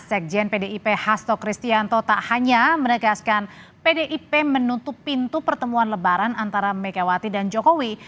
sekjen pdip hasto kristianto tak hanya menegaskan pdip menutup pintu pertemuan lebaran antara megawati dan jokowi